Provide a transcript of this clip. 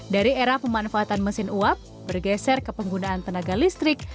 dari era pemanfaatan mesin uap bergeser ke penggunaan tenaga listrik